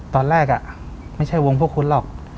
ตอนแรกไม่ใช่วงพวกคุณหรอก